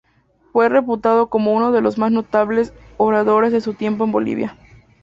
Fue reputado como uno de los más notables oradores de su tiempo en Bolivia.